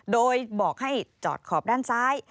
โดยบอกให้จอดขอบด้านซ้าย